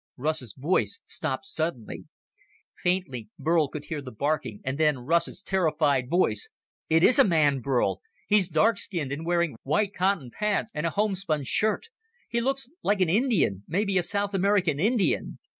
Russ's voice stopped suddenly. Faintly, Burl could hear the barking and then Russ's terrified voice. "It is a man, Burl. He's dark skinned and wearing white cotton pants and a homespun shirt. He looks like an Indian, maybe a South American Indian.